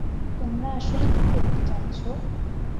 তোমরা আসলে কী করতে চাচ্ছো?